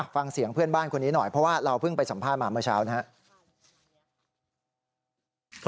ฟังเสียงเพื่อนบ้านคนนี้หน่อยเพราะว่าเราเพิ่งไปสัมภาษณ์มาเมื่อเช้านะครับ